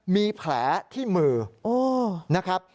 มีแผลที่มือนะครับ